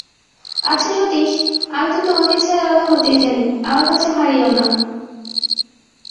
আচ্ছা সতীশ, আমি তো তোমাকে ছেলেবেলা হতেই জানি, আমার কাছে ভাঁড়িয়ো না।